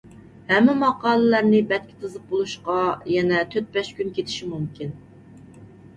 ھەممە ماقالىلەرنى بەتكە تىزىپ بولۇشقا يەنە تۆت-بەش كۈن كېتىشى مۇمكىن.